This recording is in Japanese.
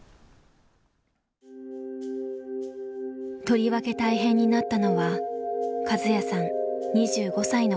とりわけ大変になったのはカズヤさん２５歳の頃。